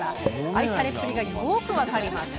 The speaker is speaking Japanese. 愛されっぷりがよく分かります。